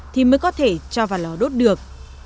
thì mới có thể cho vào lò đốt được